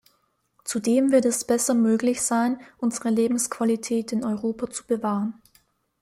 Zudem wird es besser möglich sein, unsere Lebensqualität in Europa zu bewahren.